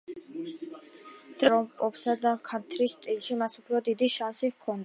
დროთა განმავლობაში მიხვდა რომ პოპსა და ქანთრის სტილში მას უფრო დიდი შანსი ჰქონდა.